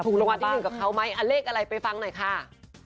รางวัลที่๑กับเขาไหมเลขอะไรไปฟังหน่อยค่ะ